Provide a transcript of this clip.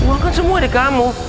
uang kan semua di kamu